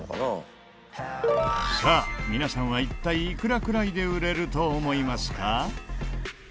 さあ皆さんは一体いくらくらいで売れると思いますか？